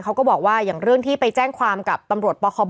เขาก็บอกว่าอย่างเรื่องที่ไปแจ้งความกับตำรวจปคบ